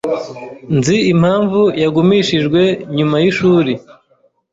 Nzi impamvu yagumishijwe nyuma yishuri.